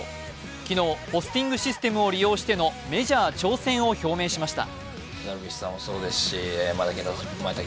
昨日、ポスティングシステムを利用してのメジャー挑戦を表明しました。